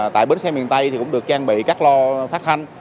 tại bến xe miền tây thì cũng được trang bị các lo phát thanh